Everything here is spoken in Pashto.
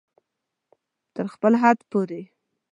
تر خپل حده پورې